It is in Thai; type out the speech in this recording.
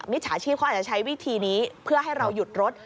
จฉาชีพเขาอาจจะใช้วิธีนี้เพื่อให้เราหยุดรถ